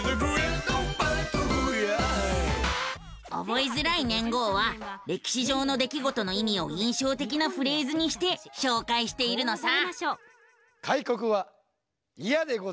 覚えづらい年号は歴史上の出来事の意味を印象的なフレーズにして紹介しているのさ。